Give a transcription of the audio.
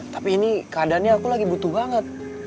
tapi ini keadaannya aku lagi butuh banget